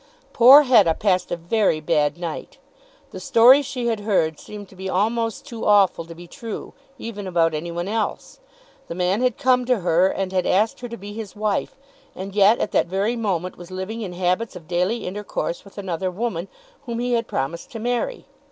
Poor Hetta passed a very bad night. The story she had heard seemed to be almost too awful to be true, even about any one else. The man had come to her, and had asked her to be his wife, and yet at that very moment was living in habits of daily intercourse with another woman whom he had promised to marry!